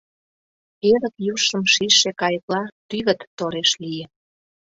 Эрык южым шижше кайыкла тӱвыт тореш лие.